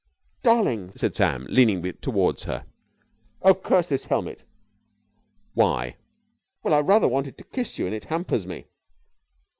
"Darling!" said Sam, leaning towards her, "Oh, curse this helmet!" "Why?" "Well, I rather wanted to kiss you and it hampers me."